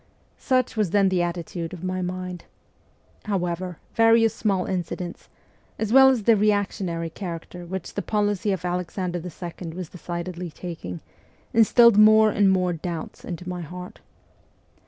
Such was then the attitude of my mind. However, various small incidents, as well as the reactionary oharacter which the policy of Alexander II. was decidedly taking, instilled more and more doubts into my heart.